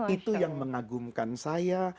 itu yang mengagumkan saya